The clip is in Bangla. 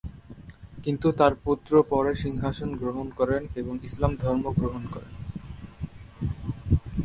কিন্তু তার পুত্র পরে সিংহাসন গ্রহণ করেন এবং ইসলাম ধর্ম গ্রহণ করেন।